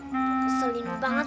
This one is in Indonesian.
keselin banget ya putri